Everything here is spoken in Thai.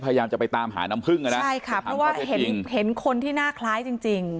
พยายามจะไปตามหาน้ำพึ่งอ่ะนะใช่ค่ะเพราะว่าเห็นเห็นคนที่น่าคล้ายจริงจริง